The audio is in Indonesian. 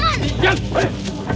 kita harus tangkap mereka